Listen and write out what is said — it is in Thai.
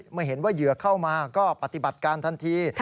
เมื่อเห็นว่าเหยื่อเข้ามาก็ปฏิบัติการทันที